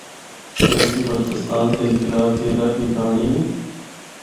لیکن گلگت بلتستان دے انقلاب دی الگ ہی کہانڑی ہے۔